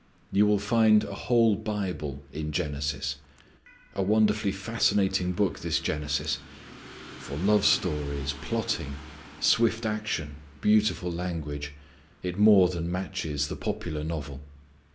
You will find a whole Bible in Genesis. A wonderfully fascinating book this Genesis. For love stories, plotting, swift action, beautiful language it more than matches the popular novel.